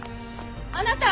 あなた！